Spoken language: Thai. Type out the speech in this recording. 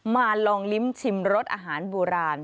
ลองลิ้มชิมรสอาหารโบราณ